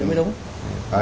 đó nó mới đảm bảo